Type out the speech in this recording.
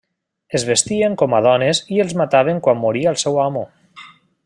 Es vestien com a dones i els mataven quan moria el seu amo.